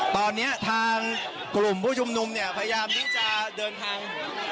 ตอนนี้ทางกลุ่มผู้ชุมนุมเนี่ยพยายามที่จะเดินทาง